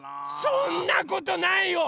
そんなことないよ！